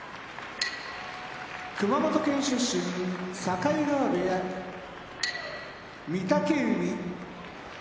熊本県出身境川部屋御嶽海